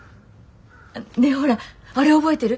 ねぇほらあれ覚えてる？